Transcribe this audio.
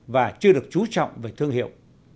và chưa được chú trọng về thương hiệu